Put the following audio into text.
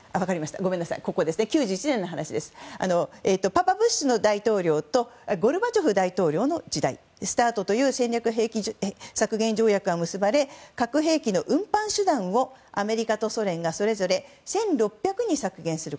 パパブッシュ当時の大統領とゴルバチョフ氏の時代にＳＴＡＲＴという戦略兵器削減条約が結ばれ核兵器の運搬手段をアメリカとソ連がそれぞれ１６００に削減する。